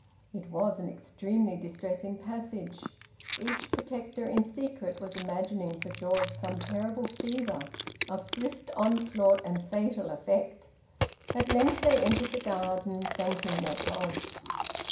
It was an extremely distressing passage. Each protector in secret was imagining for George some terrible fever, of swift onslaught and fatal effect. At length they entered the garden, thanking their gods.